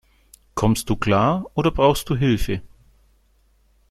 Kommst du klar, oder brauchst du Hilfe?